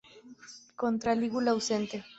Contra-lígula ausente.